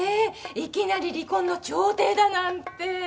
いきなり離婚の調停だなんて！